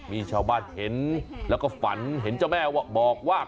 มีชาวบ้านเห็นแล้วก็ฝันเห็นเจ้าแม่ว่าบอกว่า